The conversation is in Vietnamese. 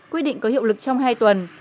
quyết định có hiệu lực trong hai tuần